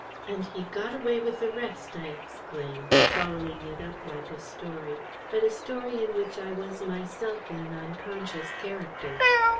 "And he got away with the rest!" I exclaimed, following it up like a story, but a story in which I was myself an unconscious character.